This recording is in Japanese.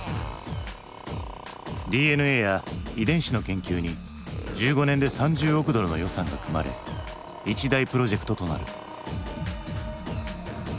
ＤＮＡや遺伝子の研究に１５年で３０億ドルの予算が組まれ一大プロジェクトとなる。